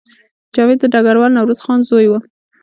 جاوید د ډګروال نوروز خان زوی و